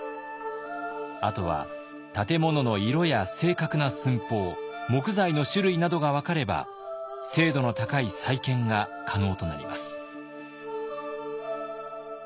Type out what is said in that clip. あとは建物の色や正確な寸法木材の種類などが分かれば精度の高い再建が可能となります。